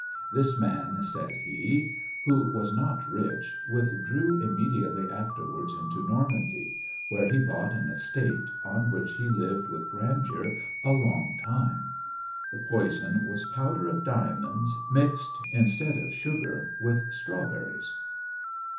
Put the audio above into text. "This man," said he, "who was not rich, withdrew immediately afterwards into Normandy, where he bought an estate, on which he lived with grandeur a long time; the poison was powder of diamonds, mixed, instead of sugar, with strawberries."